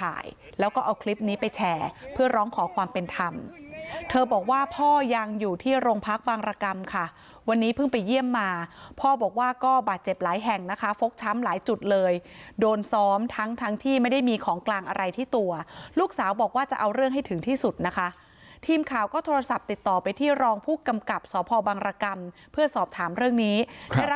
ถ่ายแล้วก็เอาคลิปนี้ไปแชร์เพื่อร้องขอความเป็นธรรมเธอบอกว่าพ่อยังอยู่ที่โรงพักบางรกรรมค่ะวันนี้เพิ่งไปเยี่ยมมาพ่อบอกว่าก็บาดเจ็บหลายแห่งนะคะฟกช้ำหลายจุดเลยโดนซ้อมทั้งทั้งที่ไม่ได้มีของกลางอะไรที่ตัวลูกสาวบอกว่าจะเอาเรื่องให้ถึงที่สุดนะคะทีมข่าวก็โทรศัพท์ติดต่อไปที่รองผู้กำกับสพบังรกรรมเพื่อสอบถามเรื่องนี้ได้รับ